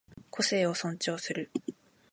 個性を尊重する